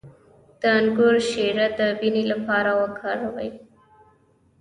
د انګور شیره د وینې لپاره وکاروئ